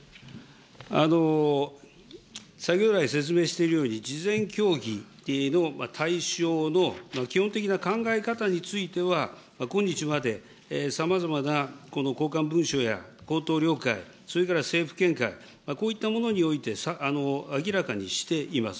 先ほど来、説明しているように、事前協議の対象の基本的な考え方については、今日までさまざまなこの交換文書や口頭了解、それから政府見解、こういったものにおいて明らかにしています。